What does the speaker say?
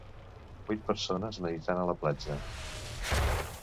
Vuit persones meditant a la platja